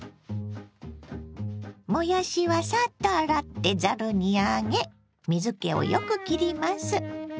もやしはサッと洗ってざるに上げ水けをよくきります。